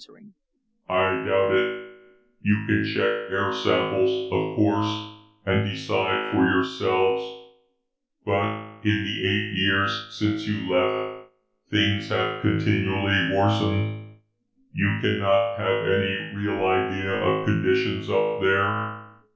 "I doubt it. You can check air samples, of course, and decide for yourselves. But in the eight years since you left, things have continually worsened. You cannot have any real idea of conditions up there.